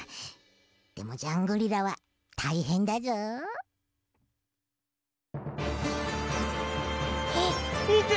でもジャングリラはたいへんだぞ。あっみて！